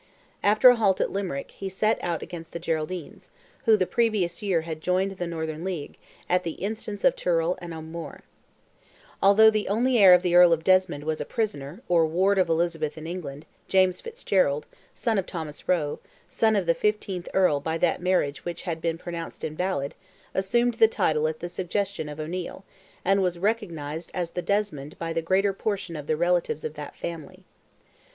After a halt at Limerick, he set out against the Geraldines, who the previous year had joined the Northern league, at the instance of Tyrrell and O'Moore. Although the only heir of the Earl of Desmond was a prisoner, or ward of Elizabeth in England, James Fitzgerald, son of Thomas Roe, son of the fifteenth Earl by that marriage which had been pronounced invalid, assumed the title at the suggestion of O'Neil, and was recognized as the Desmond by the greater portion of the relatives of that family.